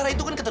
ya udah deh